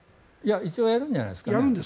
一応やるんじゃないですか。